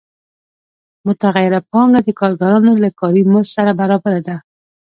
متغیره پانګه د کارګرانو له کاري مزد سره برابره ده